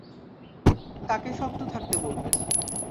তাকে শক্ত থাকতে বলবেন।